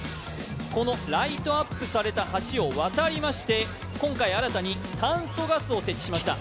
このライトアップされた橋を渡りまして今回新たに炭素ガスを設置しました。